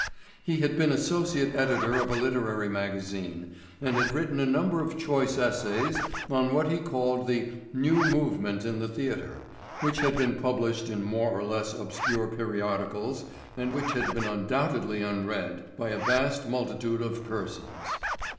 He had been associate editor of a literary magazine and had written a number of choice essays on what he called the "new movement in the theatre" which had been published in more or less obscure periodicals and which had been undoubtedly unread by a vast multitude of persons.